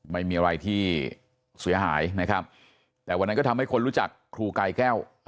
ไม่มีอะไรที่เสียหายนะครับแต่วันนั้นก็ทำให้คนรู้จักครูกายแก้ว